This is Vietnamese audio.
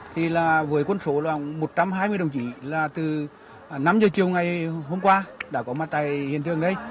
thì là với quân số là một trăm hai mươi đồng chí là từ năm giờ chiều ngày hôm qua đã có mặt tại hiện trường đây